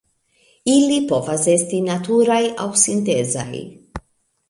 Ili povas esti naturaj aŭ sintezaj.